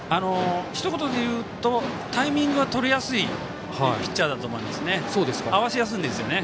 ひと言で言うとタイミングがとりやすいというピッチャーだと思いますね。